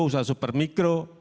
usaha super mikro